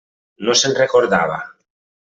No se'n recordava.